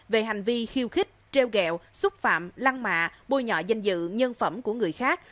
về hành vi khiêu khích treo gẹo xúc phạm lăng mạ bôi nhọ danh dự nhân phẩm của người khác